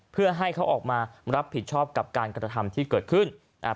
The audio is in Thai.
เพื่อให้เขาออกมารับผิดชอบกับการการธรรมที่เกิดขึ้นอ่า